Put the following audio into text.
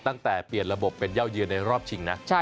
ตั้งแต่เปลี่ยนระบบเป็นเย่าเยือนในรอบชิงนะ